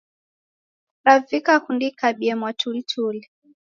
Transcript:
Kukavika kunikabie mwatulituli